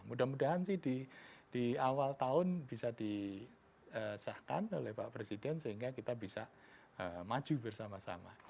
mudah mudahan sih di awal tahun bisa disahkan oleh pak presiden sehingga kita bisa maju bersama sama